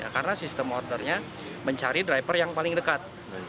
karena sistem ordernya mencari driver yang paling dekat